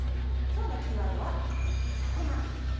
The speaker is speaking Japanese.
今日のキーワードはさかな。